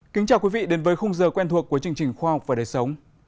kính chào quý vị đến với khung giờ quen thuộc của chương trình khoa học và đời sống